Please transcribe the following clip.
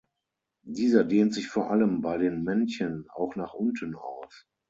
Dieser dehnt sich vor allem bei den Männchen auch nach unten aus.